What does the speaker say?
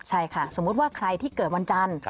ใช่ค่ะสมมุติว่าใครที่เกิดวันจันทร์